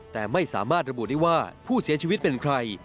แต่ไม่สามารถระบุได้ว่าผู้เสียชีวิตเป็นใคร